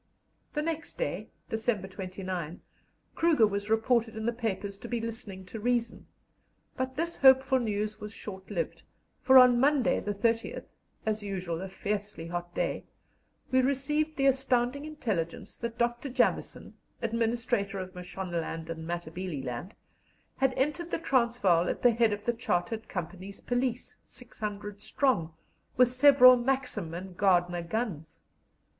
The next day, December 29, Kruger was reported in the papers to be listening to reason; but this hopeful news was short lived, for on Monday, the 30th as usual, a fiercely hot day we received the astounding intelligence that Dr. Jameson, administrator of Mashonaland and Matabeleland, had entered the Transvaal at the head of the Chartered Company's Police, 600 strong, with several Maxim and Gardner guns.